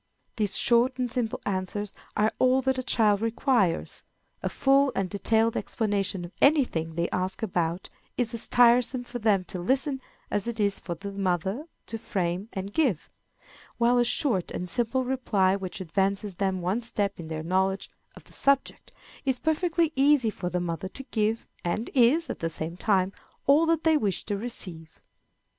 These short and simple answers are all that a child requires. A full and detailed explanation of any thing they ask about is as tiresome for them to listen to as it is for the mother to frame and give; while a short and simple reply which advances them one step in their knowledge of the subject is perfectly easy for the mother to give, and is, at the same time, all that they wish to receive.